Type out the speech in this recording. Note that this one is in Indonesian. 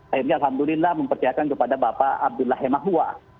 akhirnya alhamdulillah mempercayakan kepada bapak abdullah hemahua